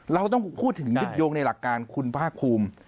เราต้องพูดถึงยึดโยงในหลักการคุณภาคภูมิ